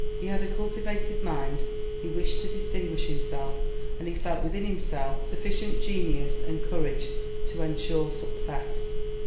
He had a cultivated mind, he wished to distinguish himself, and he felt within himself sufficient genius and courage to ensure success.